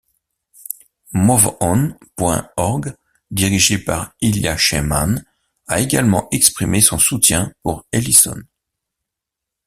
MoveOn.org, dirigé par Ilya Sheyman, a également exprimé son soutien pour Ellison.